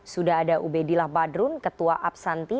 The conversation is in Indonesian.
sudah ada ubedillah badrun ketua absanti